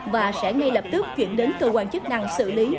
và sẽ ngay lập tức chuyển đến cơ quan chức năng xử lý